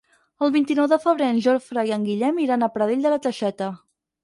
El vint-i-nou de febrer en Jofre i en Guillem iran a Pradell de la Teixeta.